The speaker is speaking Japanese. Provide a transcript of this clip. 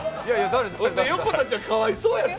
横田ちゃん、かわいそうやって。